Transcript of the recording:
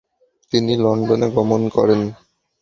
তিনি লন্ডনে গমন করেন।